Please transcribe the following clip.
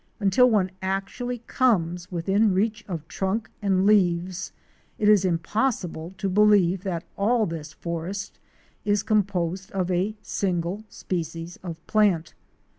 Until one actually comes within reach of trunk and leaves it is impos sible to believe that all this forest is composed of a single species of plant.